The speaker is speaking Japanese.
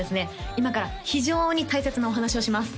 今から非常に大切なお話をします